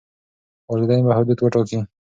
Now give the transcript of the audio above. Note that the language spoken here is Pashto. والدین به حدود وټاکي.